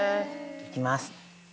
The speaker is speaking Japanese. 行きます。